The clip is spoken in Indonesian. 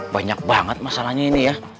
banyak banget masalahnya ini ya